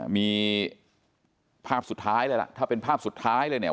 มีภาพสุดท้ายเลยล่ะถ้าเป็นภาพสุดท้ายเลยเนี่ย